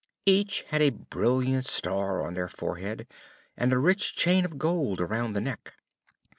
Each had a brilliant star on the forehead, and a rich chain of gold around the neck.